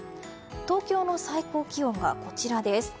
東京の最高気温がこちらです。